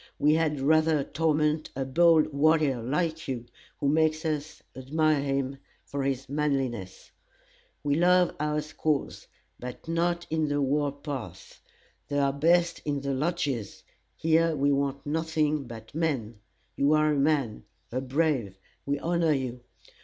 We had rather torment a bold warrior, like you, who makes us admire him for his manliness. We love our squaws, but not in the war path. They are best in the lodges; here we want nothing but men. You are a man a brave we honor you.